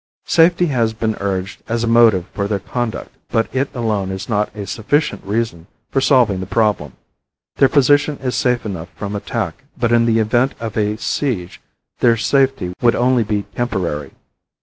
Safety has been urged as a motive for their conduct but it alone is not a sufficient reason for solving the problem. Their position is safe enough from attack but in the event of a siege their safety would only be temporary.